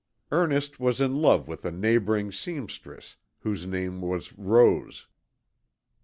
Ernest was in love with a neighbouring seamstress whose name was Rose.